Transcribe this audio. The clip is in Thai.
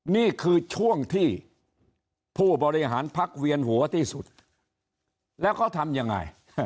นี่คือช่วงที่ผู้บริหารพักเวียนหัวที่สุดแล้วเขาทำยังไง